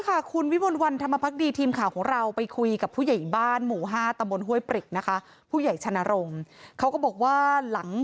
ก็พูดถึงมีอยู่แต่ว่าผมก็ไม่รู้เลยว่าก็ต้องยิงไม่รู้ข้าวว่าไหมครับ